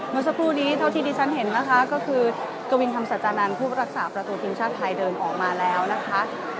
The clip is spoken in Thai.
เมื่อสักครู่นี้เท่าที่ดิฉันเห็นนะคะก็คือกวินธรรมสัจจานันทร์ผู้รักษาประตูทีมชาติไทยเดินออกมาแล้วนะคะ